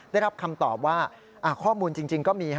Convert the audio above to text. ได้รับคำตอบว่าข้อมูลจริงก็มี